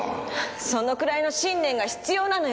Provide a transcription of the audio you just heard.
そのくらいの信念が必要なのよ